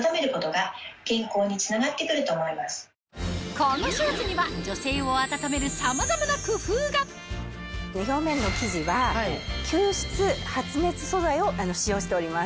このショーツには女性をあたためるさまざまな工夫が表面の生地は吸湿発熱素材を使用しております。